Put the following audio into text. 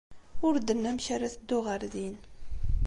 Ur d-tenni amek ara teddu ɣer din.